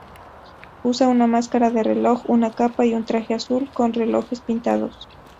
Usa una máscara de reloj, una capa y un traje azul con relojes pintados.